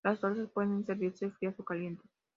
Las tortas pueden servirse frías o calientes.